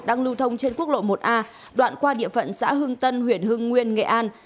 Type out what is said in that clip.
đang lưu thông trên quốc lộ một a đoạn qua địa phận xã hưng tân huyện hưng nguyên nghệ an